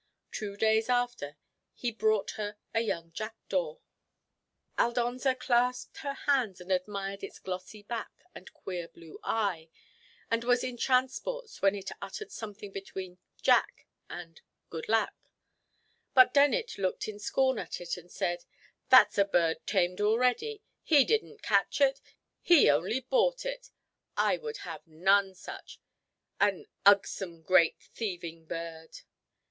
Two days after he brought her a young jackdaw. Aldonza clasped her hands and admired its glossy back and queer blue eye, and was in transports when it uttered something between "Jack" and "good lack." But Dennet looked in scorn at it, and said, "That's a bird tamed already. He didn't catch it. He only bought it! I would have none such! An ugsome great thieving bird!"